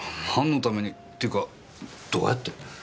何のために？っていうかどうやって？